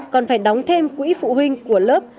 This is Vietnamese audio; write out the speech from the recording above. còn phải đóng thêm quỹ phụ huynh của lớp